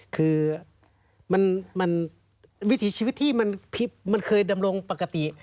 คือมันวิถีชีวิตที่มันเคยดำรงปกติ